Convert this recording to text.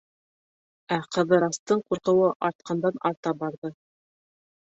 Ә Ҡыҙырастың ҡурҡыуы артҡандан-арта барҙы.